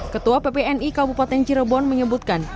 ketua ppni kabupaten cirebon menyebutkan